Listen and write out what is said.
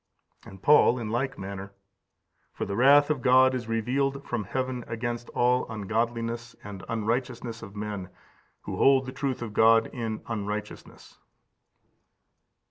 xxvi. 20. And Paul in like manner: "For the wrath of God is revealed from heaven against all ungodliness and unrighteousness of men, who hold the truth of God in unrighteousness."